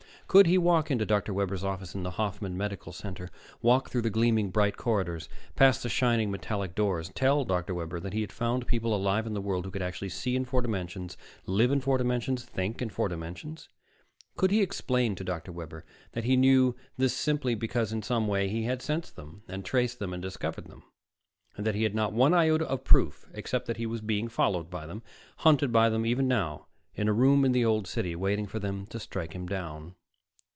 Could he walk into Dr. Webber's office in the Hoffman Medical Center, walk through the gleaming bright corridors, past the shining metallic doors, and tell Dr. Webber that he had found people alive in the world who could actually see in four dimensions, live in four dimensions, think in four dimensions? Could he explain to Dr. Webber that he knew this simply because in some way he had sensed them, and traced them, and discovered them; that he had not one iota of proof, except that he was being followed by them, hunted by them, even now, in a room in the Old City, waiting for them to strike him down?